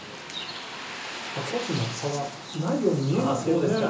コースの差はないように見えますけどね。